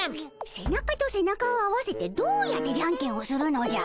背中と背中を合わせてどうやってじゃんけんをするのじゃ。